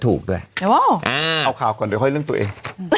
สุดท้ายสุดท้าย